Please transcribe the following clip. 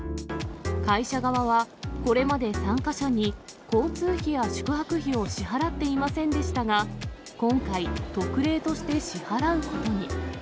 会社側は、これまで参加者に交通費や宿泊費を支払っていませんでしたが、今回、特例として支払うことに。